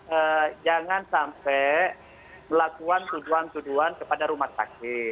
yang kedua semua pihak cobalah jangan sampai melakukan tuduan tuduan kepada rumah sakit